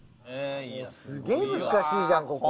すげえ難しいじゃんここ。